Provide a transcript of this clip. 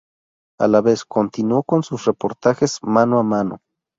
A la vez, continuó con sus reportajes mano a mano.